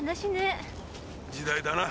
時代だな。